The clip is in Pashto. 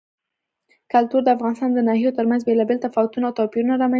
کلتور د افغانستان د ناحیو ترمنځ بېلابېل تفاوتونه او توپیرونه رامنځ ته کوي.